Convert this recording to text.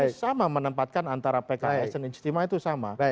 tapi kalau kita dapatkan antara pks dan istimah itu sama